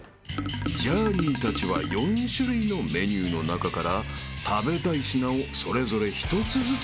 ［ジャーニーたちは４種類のメニューの中から食べたい品をそれぞれ１つずつ指名］